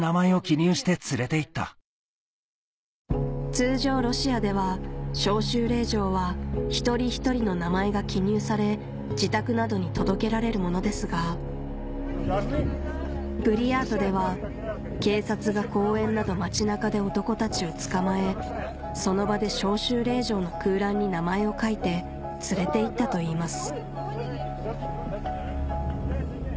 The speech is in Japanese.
通常ロシアでは召集令状は一人一人の名前が記入され自宅などに届けられるものですがブリヤートでは警察が公園など街中で男たちを捕まえその場で召集令状の空欄に名前を書いて連れていったといいます